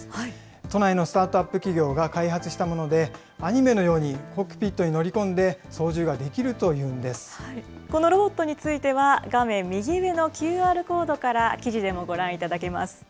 都内のスタートアップ企業が開発したもので、アニメのようにコックピットに乗り込んで、操縦がでこのロボットについては、画面右上のＱＲコードから記事でもご覧いただけます。